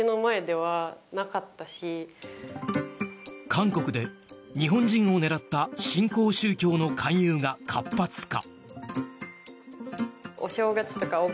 韓国で日本人を狙った新興宗教の勧誘が活発化。